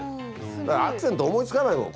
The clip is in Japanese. アクセント思いつかないもん